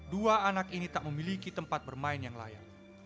kedua anak ini tidak memiliki tempat bermain yang layak